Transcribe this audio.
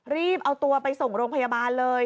รีบเอาตัวไปส่งโรงพยาบาลเลย